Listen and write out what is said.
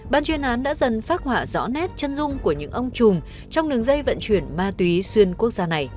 ban chuyên án đã dần phát hỏa rõ nét chân dung của những ông chùm trong đường dây vận chuyển ma túy xuyên quốc gia này